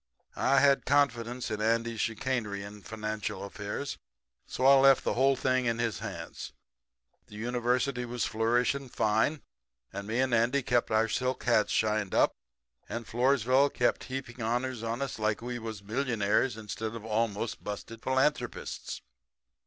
"I had confidence in Andy's chicanery in financial affairs, so I left the whole thing in his hands. The University was flourishing fine, and me and Andy kept our silk hats shined up, and Floresville kept on heaping honors on us like we was millionaires instead of almost busted philanthropists.